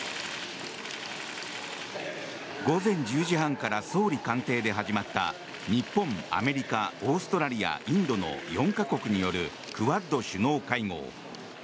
午前１０時半から総理官邸で始まった日本、アメリカ、オーストラリアインドの４か国によるクアッド首脳会合。